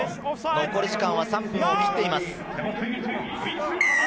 残り時間は３分を切っています。